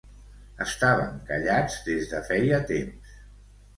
Estàvem callats des de feia temps.